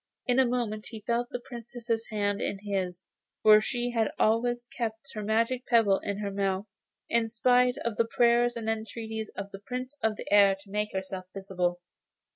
In a moment he felt the Princess's hand in his, for she had always kept her magic pebble in her mouth, in spite of the prayers and entreaties of the Prince of the Air to make herself visible.